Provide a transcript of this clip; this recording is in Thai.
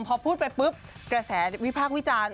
พอพูดไปปุ๊บกระแสวิพากษ์วิจารณ์